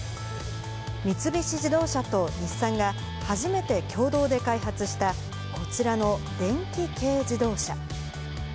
三菱自動車と日産が初めて共同で開発したこちらの電気軽自動車。